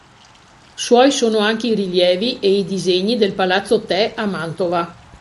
Suoi sono anche i rilievi e i disegni del Palazzo Te a Mantova.